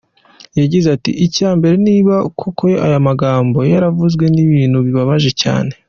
Yagize ati “Icya mbere, ni niba koko ayo magambo yaravuzwe, ni ibintu bibabaje cyane.